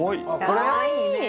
かわいいね。